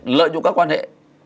đồng dựng cho bọn em số tiền